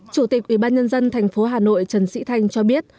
chủ tịch ủy ban nhân dân thành phố hà nội trần sĩ thanh cho biết